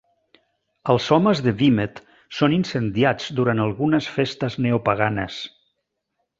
Els homes de vímet són incendiats durant algunes festes neopaganes.